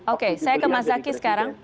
oke saya ke mas zaky sekarang